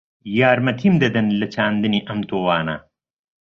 یارمەتیم دەدەن لە چاندنی ئەم تۆوانە؟